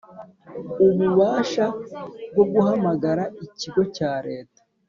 ububasha bwo guhamagara ikigo cya Leta